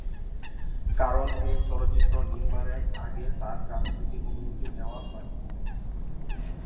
কারণ এই চলচ্চিত্র নির্মানের আগে তার কাছ থেকে অনুমতি নেয়া হয়নি।